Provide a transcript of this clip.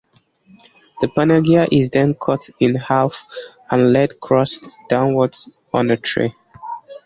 The Panagia is then cut in half and laid crust downwards on a tray.